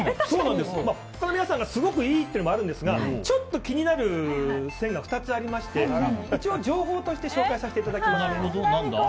他の皆さんがすごくいいというのもあるんですがちょっと気になる線が２つありまして一応、情報として紹介させていただきます。